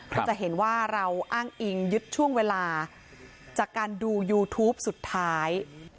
ก็จะเห็นว่าเราอ้างอิงยึดช่วงเวลาจากการดูยูทูปสุดท้าย